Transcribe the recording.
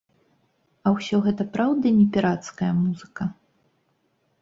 А ўсё гэта праўда не пірацкая музыка?